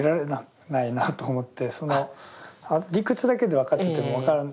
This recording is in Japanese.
理屈だけで分かってても分からない。